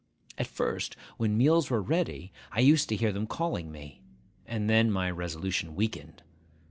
At first, when meals were ready, I used to hear them calling me; and then my resolution weakened.